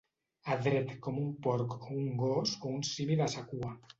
Adret com un porc o un gos o un simi de sa cua.